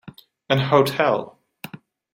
An hotel.